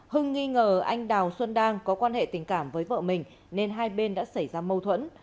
hưng nghi ngờ anh đào xuân đang có quan hệ tình cảm với vợ mình nên hai bên đã xảy ra mâu thuẫn